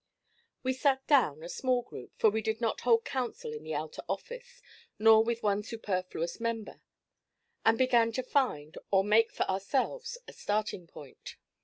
We sat down, a small group, for we did not hold council in the outer office, nor with one superfluous member, and began to find or make for ourselves a starting point.